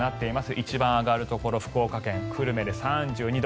一番上がるところ福岡の久留米で３２度。